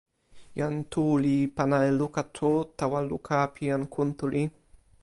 jan Tu li pana e luka tu tawa luka pi jan Kuntuli.